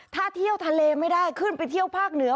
ถ้าเที่ยวทะเลไม่ได้ขึ้นไปเที่ยวภาคเหนือ